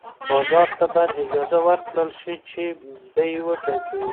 بازار ته باید اجازه ورکړل شي چې بیې وټاکي.